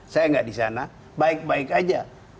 saya nggak di sana baik baik aja